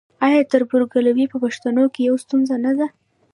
آیا تربورګلوي په پښتنو کې یوه ستونزه نه ده؟